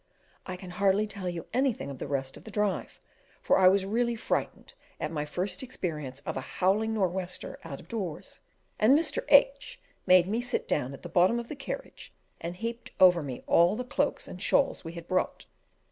I can hardly tell you anything of the rest of the drive, for I was really frightened at my first experience of a "howling nor' wester" out of doors, and Mr. H made me sit down at the bottom of the carriage and heaped over me all the cloaks and shawls we had brought.